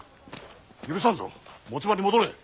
許さんぞ持ち場に戻れ。